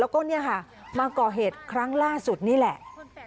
แล้วก็เนี่ยค่ะมาก่อเหตุครั้งล่าสุดนี่แหละ